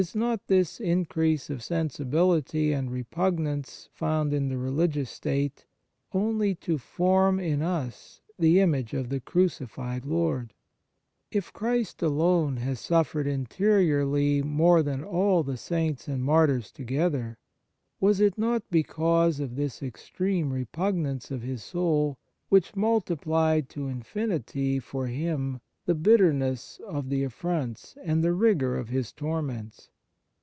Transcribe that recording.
Is not this increase of sensibility and re pugnance found in the religious state only to form in us the image of our crucified Lord ? 77 Fraternal Charity If Christ alone has suffered interiorly more than all the Saints and Martyrs together, was it not because of this extreme repugnance of His soul, which multiplied to infinity for Him the bitterness of the affronts and the rigour of His torments